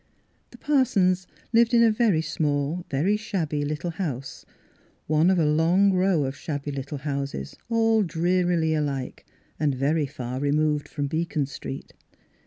The Parsons lived in a very small, very shabby little house, one of a long row of shabby little houses, all drearily alike, and very far removed from Beacon Street.